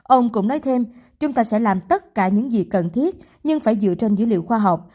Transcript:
ông cũng nói thêm chúng ta sẽ làm tất cả những gì cần thiết nhưng phải dựa trên dữ liệu khoa học